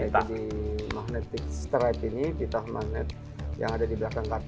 di magnetic strip ini di taut magnet yang ada di belakang kartu kita